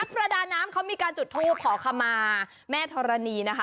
ประดาน้ำเขามีการจุดทูปขอขมาแม่ธรณีนะคะ